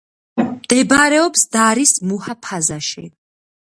მდებარეობს დარის მუჰაფაზაში.